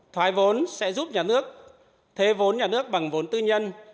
thoái vốn sẽ giúp nhà nước thuế vốn nhà nước bằng vốn tư nhân